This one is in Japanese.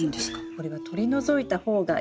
これは取り除いた方がいいです。